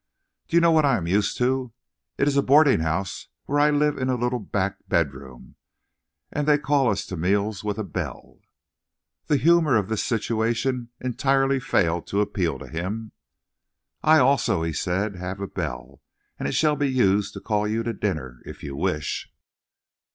"Do you know what I'm used to? It's a boarding house where I live in a little back bedroom, and they call us to meals with a bell." The humor of this situation entirely failed to appeal to him. "I also," he said, "have a bell. And it shall be used to call you to dinner, if you wish."